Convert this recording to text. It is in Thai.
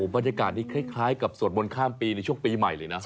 บรรยากาศนี้คล้ายกับสวดมนต์ข้ามปีในช่วงปีใหม่เลยนะ